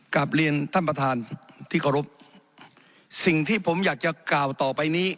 กลับเรียนท่านประธานที่เคารพสิ่งที่ผมอยากจะกล่าวต่อไปนี้